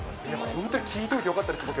本当に聞いといてよかったです、僕。